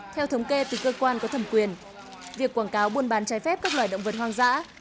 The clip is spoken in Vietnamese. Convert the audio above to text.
theo thống kê từ cơ quan có thẩm quyền việc quảng cáo buôn bán trái phép các loài động vật hoang dã